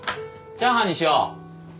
チャーハンにしよう。